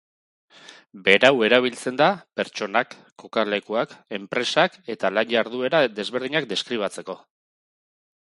Berau erabiltzen da pertsonak, kokalekuak, enpresak eta lan-jarduera desberdinak deskribatzeko.